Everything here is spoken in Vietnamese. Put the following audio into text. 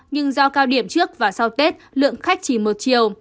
nhưng do cao điểm trước và sau tết lượng khách chỉ một chiều